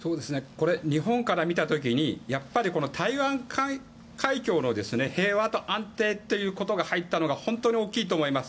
日本から見た時にやっぱり台湾海峡の平和と安定ということが入ったのが本当に大きいと思います。